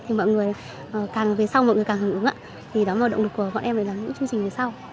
thì mọi người càng về sau mọi người càng hưởng ứng thì đó là động lực của bọn em để làm những chương trình về sau